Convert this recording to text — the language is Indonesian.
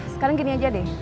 sekarang gini aja deh